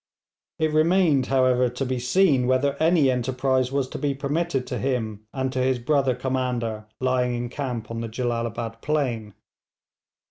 It remained, however, to be seen whether any enterprise was to be permitted to him and to his brother commander lying in camp on the Jellalabad plain.